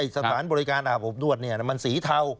สถานบริการอาบอบนวดมันสีเทา